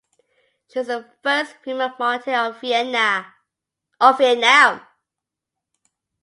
She was the first female martyr of Vienna.